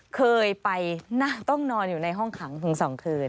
เคยไปต้องนอนอยู่ในห้องขังถึง๒คืน